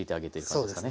そうですね。